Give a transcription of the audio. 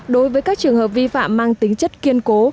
đối với các trường hợp vi phạm mang tính chất kiên cố